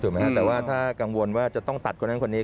แต่ว่าถ้ากังวลว่าจะต้องตัดคนนั้นคนนี้